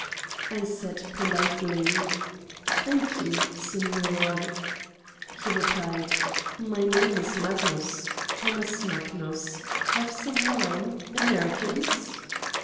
I said politely : "Thank you, sign or " He replied: '* My name is Magnus. Thomas Magnus. Have some wine? Americans?"